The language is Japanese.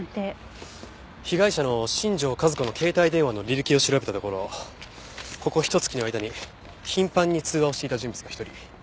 被害者の新庄和子の携帯電話の履歴を調べたところここひと月の間に頻繁に通話をしていた人物が１人。